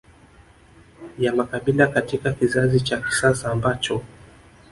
ya makabila katika kizazi cha kisasa ambacho